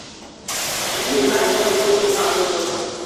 akabika inyandiko n izindi mpapuro zose